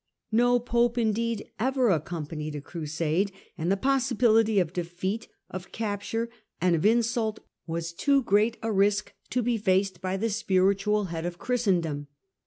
No pope indeed ever accompanied a crusade; the possibility of defeat, of capture, and of insult was too great a risk to be faced by the spiritual head of Christendom.